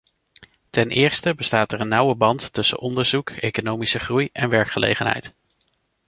Ten eerste bestaat er een nauwe band tussen onderzoek, economische groei en werkgelegenheid.